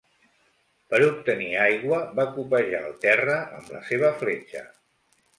Per obtenir aigua, va copejar el terra amb la seva fletxa.